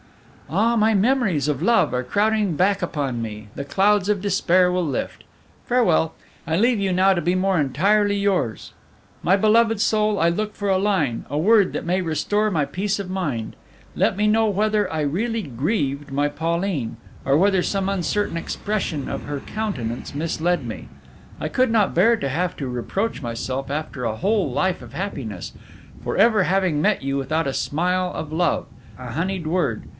"Ah, my memories of love are crowding back upon me, the clouds of despair will lift. Farewell. I leave you now to be more entirely yours. My beloved soul, I look for a line, a word that may restore my peace of mind. Let me know whether I really grieved my Pauline, or whether some uncertain expression of her countenance misled me. I could not bear to have to reproach myself after a whole life of happiness, for ever having met you without a smile of love, a honeyed word.